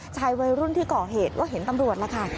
วัยรุ่นที่ก่อเหตุก็เห็นตำรวจแล้วค่ะ